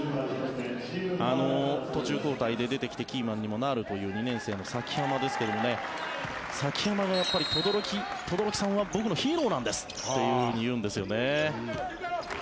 途中交代で出てきてキーマンにもなるという２年生の崎濱ですが崎濱が、轟さんは僕のヒーローなんですって言うんですよね。